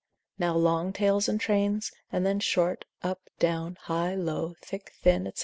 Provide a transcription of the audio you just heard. Now long tails and trains, and then short, up, down, high, low, thick, thin, &c.